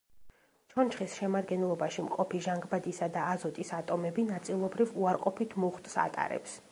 ჩონჩხის შემადგენლობაში მყოფი ჟანგბადისა და აზოტის ატომები ნაწილობრივ უარყოფით მუხტს ატარებს.